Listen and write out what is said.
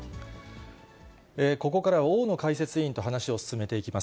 ここからは大野解説委員と話を進めていきます。